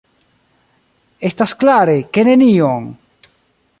Estas klare, ke nenion!